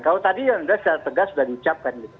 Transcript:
kalau tadi yang sudah secara tegas sudah diucapkan gitu